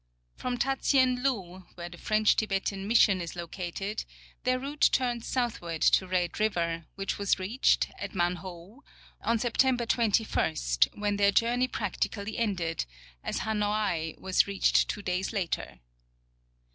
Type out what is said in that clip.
From Tatsien lou, where the French Tibetan mission is located, their route turned southward to Red river, which was reached, at Manhoau, on September 21, when their journey practically ended, as Hanoai was reached two days later.